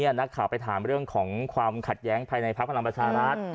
นักข่าวไปถามเรื่องของความขัดแย้งภายในพักพลังประชารัฐ